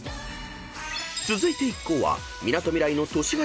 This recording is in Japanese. ［続いて一行はみなとみらいの都市型